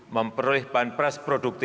memperoleh bahan perang dan memperoleh kredit